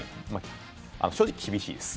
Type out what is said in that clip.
正直、厳しいです。